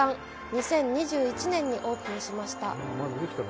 ２０２１年にオープンしました。